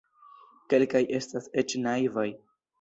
Kelkaj estas eĉ naivaj.